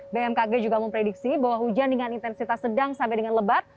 bmkg juga memprediksi bahwa hujan dengan intensitas sedang sampai dengan lebat